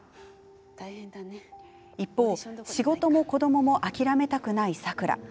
一方仕事も子どもも諦めたくない咲良。